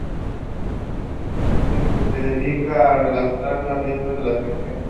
Él es el que se dedica a redactar la letra de las canciones.